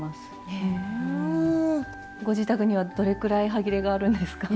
ご自宅にはどれくらいはぎれがあるんですか？